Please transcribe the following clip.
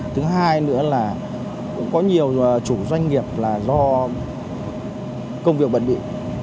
thứ hai nữa là cũng có nhiều chủ doanh nghiệp là do công việc bận bị